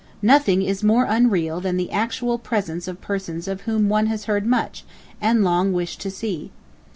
Nothing is more unreal than the actual presence of persons of whom one has heard much, and long wished to see.